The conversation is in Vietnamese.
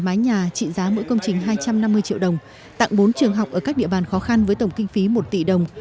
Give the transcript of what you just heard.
mái nhà trị giá mỗi công trình hai trăm năm mươi triệu đồng tặng bốn trường học ở các địa bàn khó khăn với tổng kinh phí một tỷ đồng